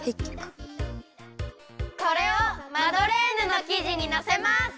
これをマドレーヌのきじにのせます！